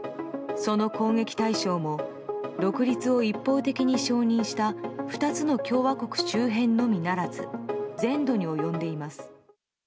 その攻撃対象も独立を一方的に承認した２つの共和国周辺のみならず全土に及んでいます。